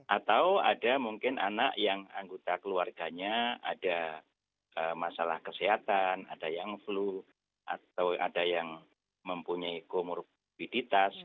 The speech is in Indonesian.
atau ada mungkin anak yang anggota keluarganya ada masalah kesehatan ada yang flu atau ada yang mempunyai komorbiditas